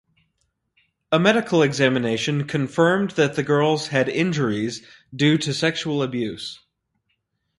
A medical examination confirmed that the girls had injuries due to sexual abuse.